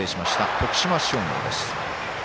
徳島商業です。